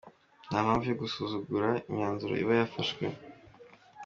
Nta mpamvu yo gusuzugura imyanzuro iba yafashwe.